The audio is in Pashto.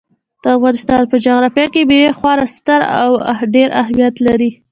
د افغانستان په جغرافیه کې مېوې خورا ستر او ډېر اهمیت لري.